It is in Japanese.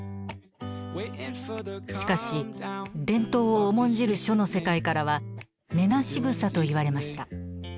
しかし伝統を重んじる書の世界からは「根なし草」と言われました。